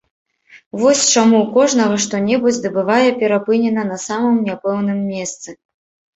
Вось чаму ў кожнага што-небудзь ды бывае перапынена на самым няпэўным месцы.